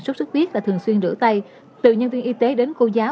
sốt xuất huyết là thường xuyên rửa tay từ nhân viên y tế đến cô giáo